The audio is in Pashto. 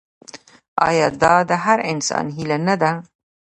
آیا دا د هر انسان هیله نه ده؟